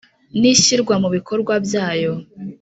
N ishyirwa mu bikorwa byayo